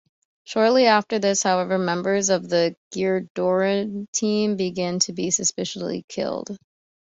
Shortly after this, however, members of the Gridiron team begin to be suspiciously killed.